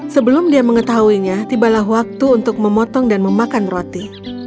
sebelum dia mengetahuinya tibalah waktu untuk memotong dan memakan roti